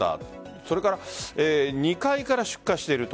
それから２階から出火していると。